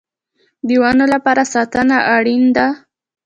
د ونو لپاره ساتنه اړین ده